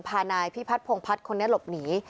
พานายพี่พัดพงพัดคนนี้หลบหนี